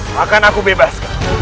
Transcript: maka aku bebas